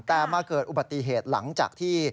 แต่มาเกิดอุบัติเหตุหลังจากที่